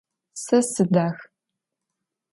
Se sıdax.